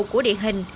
của địa hình